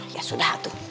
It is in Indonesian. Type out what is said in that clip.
ya sudah tuh